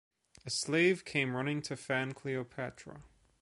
A slave came running to fan Cleopatra.